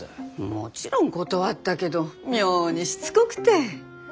もちろん断ったけど妙にしつこくて。